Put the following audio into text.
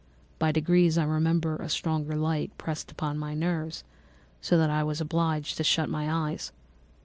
By degrees, I remember, a stronger light pressed upon my nerves, so that I was obliged to shut my eyes.